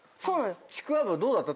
ちくわぶどうだった？